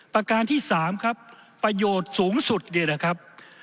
ประการที่๓ครับ